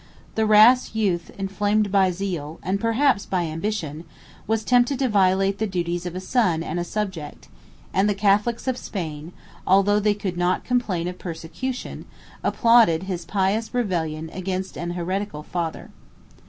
129 The rash youth, inflamed by zeal, and perhaps by ambition, was tempted to violate the duties of a son and a subject; and the Catholics of Spain, although they could not complain of persecution, applauded his pious rebellion against an heretical father.